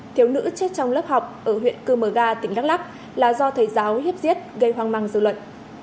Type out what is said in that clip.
thiếu nữ chết trong lớp học ở huyện cư mờ ga tỉnh đắk lắc là do thầy giáo hiếp giết gây hoang mang dư luận